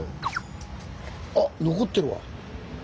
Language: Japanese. あっ残ってるわ。